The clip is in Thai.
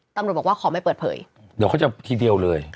ตำรวจบอกว่าขอไม่เปิดเผยเดี๋ยวเขาจะทีเดียวเลย